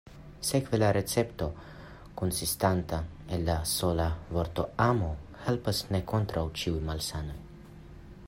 Sekve la recepto, konsistanta el la sola vorto “amu”, helpas ne kontraŭ ĉiuj malsanoj.